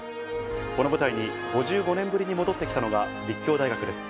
この舞台に５５年ぶりに戻ってきたのが、立教大学です。